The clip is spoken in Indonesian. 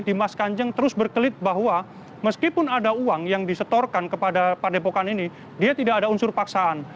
dimas kanjeng terus berkelit bahwa meskipun ada uang yang disetorkan kepada padepokan ini dia tidak ada unsur paksaan